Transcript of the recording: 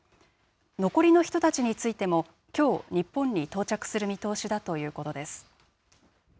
残りの人たちについても、きょう、日本に到着する見通しだということです。